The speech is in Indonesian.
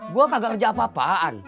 gua kagak kerja apa apa